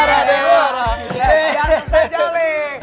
eh biar enggak saja leh